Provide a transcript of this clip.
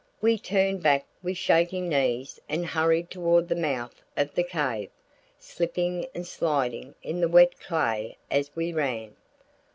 We turned back with shaking knees and hurried toward the mouth of the cave, slipping and sliding in the wet clay as we ran.